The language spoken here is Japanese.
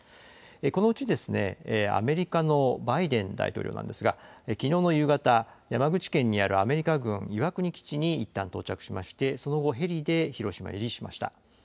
このうちアメリカのバイデン大統領なんですが、きのうの夕方、山口県にあるアメリカ軍岩国基地にいったん到着しまして、その後、ヘリで広島入りしました。